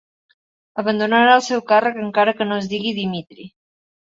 Abandonarà el seu càrrec encara que no es digui Dimitri.